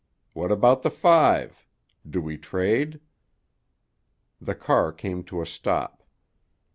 What about the five? Do we trade?" The car came to a stop.